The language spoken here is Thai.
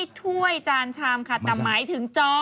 ไม่ใช่ถ้วยจานชามขาดตามไม้ถึงจอ